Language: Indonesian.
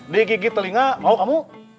dikigit telinga mau kamu